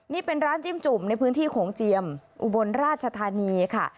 นี่เป็นร้านจิ้มจุ่มในพื้นที่โขงเจียมอุบลราชธานีค่ะ